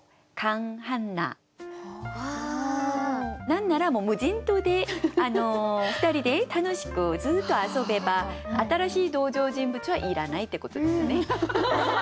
何ならもう無人島で２人で楽しくずっと遊べば新しい登場人物はいらないってことですね。